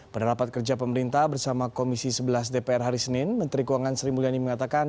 pada rapat kerja pemerintah bersama komisi sebelas dpr hari senin menteri keuangan sri mulyani mengatakan